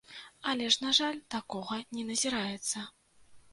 Але ж, на жаль, такога не назіраецца.